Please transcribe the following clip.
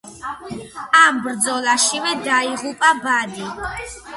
ამ ბრძოლაშივე დაიღუპა ბადი.